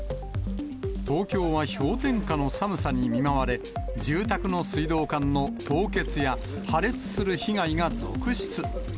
東京は氷点下の寒さに見舞われ、住宅の水道管の凍結や破裂する被害が続出。